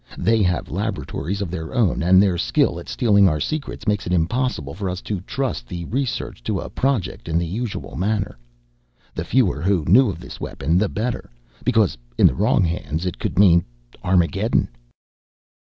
They have laboratories of their own, and their skill at stealing our secrets makes it impossible for us to trust the research to a Project in the usual manner. The fewer who knew of this weapon, the better because in the wrong hands it could mean Armageddon!"